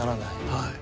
はい。